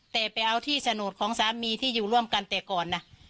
แต่ไปเอาที่โฉนดของสามีที่อยู่ร่วมกันแต่ก่อนนะ